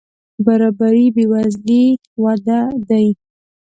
برابري بې وزلي وده دي.